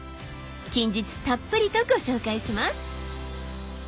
近日たっぷりとご紹介します。